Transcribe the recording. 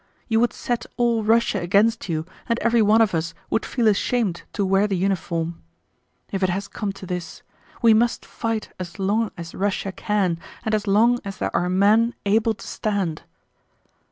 You would set all Russia against you and everyone of us would feel ashamed to wear the uniform. If it has come to this—we must fight as long as Russia can and as long as there are men able to stand....